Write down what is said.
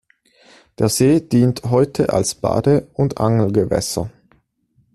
Der See dient heute als Bade- und Angelgewässer.